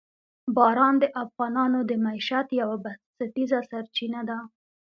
باران د افغانانو د معیشت یوه بنسټیزه سرچینه ده.